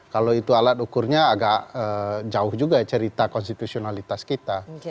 kalau itu alat ukurnya agak jauh juga cerita konstitusionalitas kita